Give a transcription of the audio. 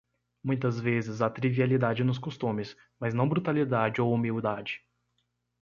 Muitas vezes há trivialidade nos costumes, mas não brutalidade ou humildade.